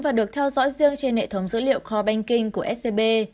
và được theo dõi riêng trên hệ thống dữ liệu cop banking của scb